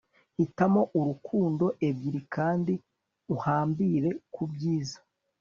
hitamo urukundo ebyiri kandi uhambire ku byiza